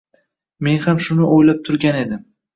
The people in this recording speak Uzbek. Men ham shuni o‘ylab turgan edim